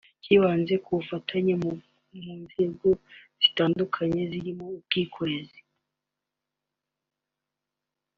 cyibanze ku bufatanye mu nzego zitandukanye zirimo ubwikorezi